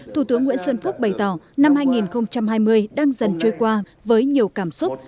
thủ tướng nguyễn xuân phúc bày tỏ năm hai nghìn hai mươi đang dần trôi qua với nhiều cảm xúc